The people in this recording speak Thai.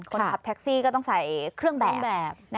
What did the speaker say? คนขับแท็กซี่ก็ต้องใส่เครื่องแบบ